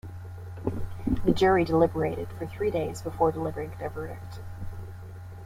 The jury deliberated for three days before delivering their verdict.